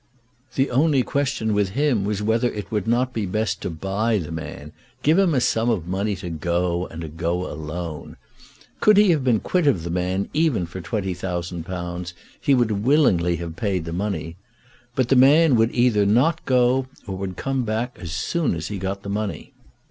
The only question with him was whether it would not be best to buy the man, give him a sum of money to go, and to go alone. Could he have been quit of the man even for £20,000, he would willingly have paid the money. But the man would either not go, or would come back as soon as he had got the money.